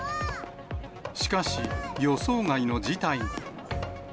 しかし、予想外の事態に。